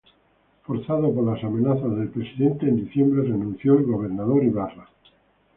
Forzado por las amenazas del presidente, en diciembre renunció el gobernador Ibarra.